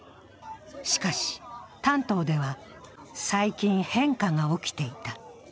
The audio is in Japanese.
しかし、丹東では最近、変化が起きていた。